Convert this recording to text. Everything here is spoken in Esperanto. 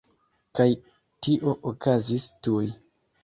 Kaj tio okazis tuj.